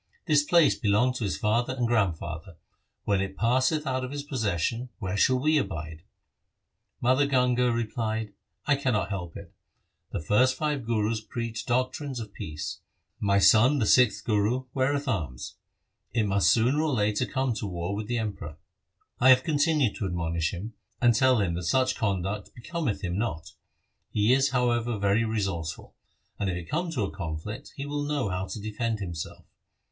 This place belonged to his father and grandfather. When it passeth out of his possession, where shall we abide ?' Mother Ganga replied, ' I cannot help it. The first five Gurus preached doctrines of peace ; my son the sixth Guru weareth arms. It must sooner or later come to war with the Emperor. I have continued to admonish him, and tell him that such conduct becometh him not. He is, however, very resourceful, and, if it come to a conflict, he will know how to defend himself.